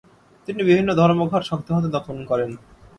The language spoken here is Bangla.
তিনি বিভিন্ন ধর্মঘট শক্ত হাতে দমন করেন।